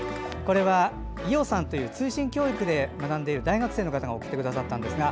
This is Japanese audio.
これは、いよさんという通信教育で学んでいる大学生の方が送ってくださいました。